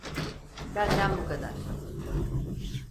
Benden bu kadar.